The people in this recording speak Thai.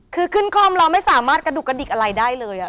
คือขึ้นคล่อมเราไม่สามารถกระดูกกระดิกอะไรได้เลย